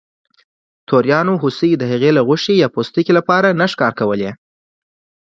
توریانو هوسۍ د هغې له غوښې یا پوستکي لپاره نه ښکار کولې.